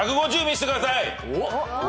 見してください！